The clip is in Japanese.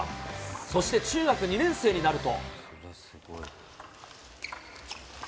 そして中学２年生になると。